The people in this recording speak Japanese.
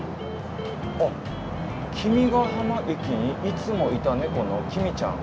あ「君ヶ浜駅にいつもいたネコの『きみちゃん』。」。